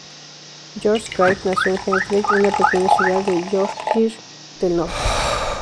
George Craig nació en Hemsley, una pequeña ciudad de Yorkshire del Norte.